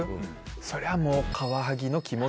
そりゃあもう。